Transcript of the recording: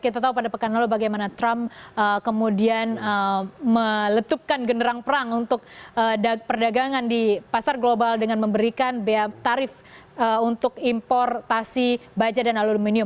kita tahu pada pekan lalu bagaimana trump kemudian meletupkan generang perang untuk perdagangan di pasar global dengan memberikan tarif untuk importasi baja dan aluminium